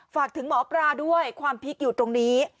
ฝากถึงหมอปลาด้วยความพลิกอยู่ตรงนี้